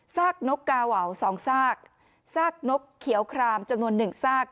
กนกกาวาว๒ซากซากนกเขียวครามจำนวนหนึ่งซาก